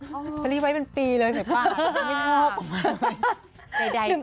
ชัลลี่ไว้เป็นปีเลยเห็นป่ะชัลลี่ไม่พูด